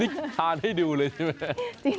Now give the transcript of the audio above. นี่หาได้ดูเลยใช่ไหม